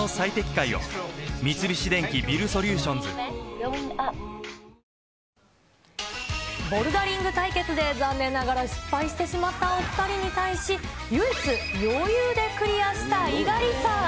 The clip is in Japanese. ニトリボルダリング対決で、残念ながら失敗してしまったお２人に対し、唯一、余裕でクリアした猪狩さん。